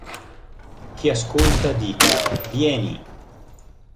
Chi ascolta dica: 'Vieni!